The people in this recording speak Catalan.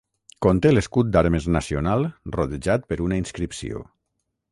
Conté l"escut d'armes nacional rodejat per una inscripció.